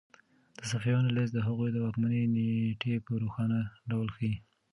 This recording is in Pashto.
د صفویانو لیست د هغوی د واکمنۍ نېټې په روښانه ډول ښيي.